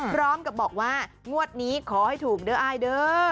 พร้อมกับบอกว่างวดนี้ขอให้ถูกเด้ออายเด้อ